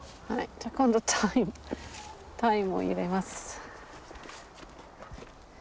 じゃ今度タイムを入れます。